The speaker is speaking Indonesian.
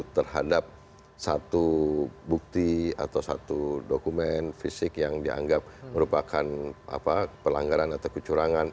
terhadap satu bukti atau satu dokumen fisik yang dianggap merupakan pelanggaran atau kecurangan